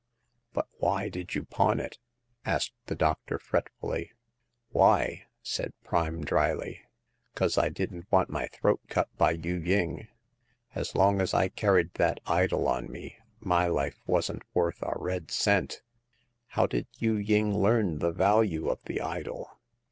But why did you pawn it ?" asked the doctor, fretfully. " Why," said Prime, drily, " 'cause I didn't want my throat cut by Yu ying ; as long as I carried that idol on me, my life wasn't worth a red cent !"*' How did Yu ying learn the value of the idol